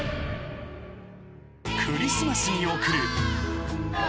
［クリスマスに送る］